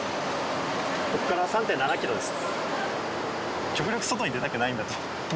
こっから３．７ｋｍです。